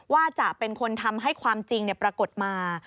ว่าจะเป็นคนทำให้ความจริงปรากฏมา